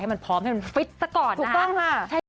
ให้มันพร้อมให้มันฟิตซะก่อนนะฮะ